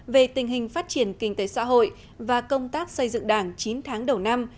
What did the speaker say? về tình hình phát triển kinh tế xã hội và công tác xây dựng đảng chín tháng đầu năm